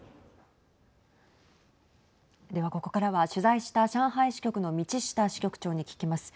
ではここからは取材した上海支局の道下支局長に聞きます。